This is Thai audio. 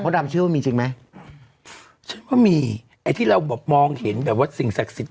ดำเชื่อว่ามีจริงไหมฉันว่ามีไอ้ที่เราแบบมองเห็นแบบว่าสิ่งศักดิ์สิทธิ